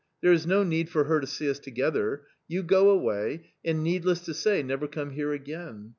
There is no need for her to see us together ; you go away, and, needless to say, never come here again.